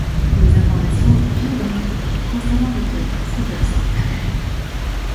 Les informations biographiques concernant l'auteur sont absentes.